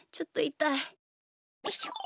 よいしょ。